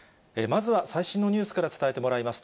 まずは最新のニュースから伝えてもらいます。